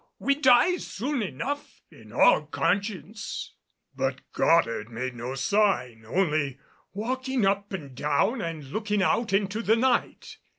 We die soon enough, in all conscience." But Goddard made no sign, only walking up and down and looking out into the night.